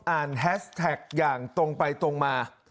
แฮสแท็กอย่างตรงไปตรงมา